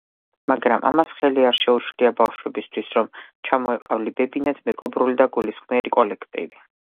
მაგრამ ამას ხელი არ შეუშლია ბავშვებისათვის რომ ჩამოეყალიბებინათ მეგობრული და გულისხმიერი კოლექტივი.